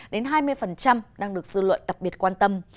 đến hai mươi đang được dư luận đặc biệt quan tâm